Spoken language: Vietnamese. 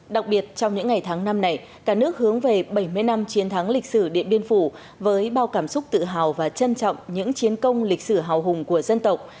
đặc biệt trong những ngày tháng năm này cả nước hướng về bảy mươi năm chiến thắng lịch sử điện biên phủ với bao cảm xúc tự hào và trân trọng những chiến công lịch sử hào hùng của dân tộc